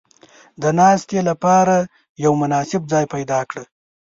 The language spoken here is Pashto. • د ناستې لپاره یو مناسب ځای پیدا کړه.